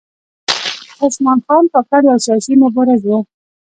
عثمان خان کاکړ یو سیاسي مبارز و .